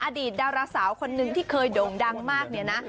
อดีตดาราสาวคนนึงที่เคยโด่งดังมากเนี่ยนะ